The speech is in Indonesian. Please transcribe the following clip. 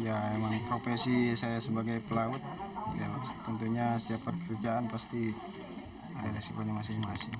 ya emang profesi saya sebagai pelaut tentunya setiap pekerjaan pasti ada resikonya masing masing